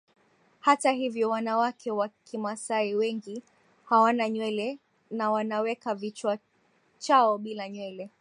Hata hivyo wanawake wa Kimasai wengi hawana nywele na wanaweka vichwa chao bila nywele